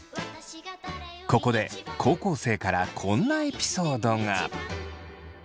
ここで高校生からこんなエピソードが。